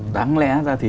đáng lẽ ra thì